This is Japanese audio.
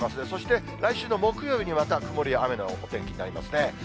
そして来週の木曜日にまた曇りや雨のお天気になりますね。